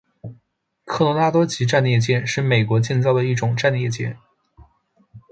科罗拉多级战列舰是美国建造的一种战列舰。